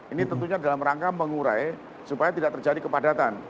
ini tentunya dalam rangka mengurai supaya tidak terjadi kepadatan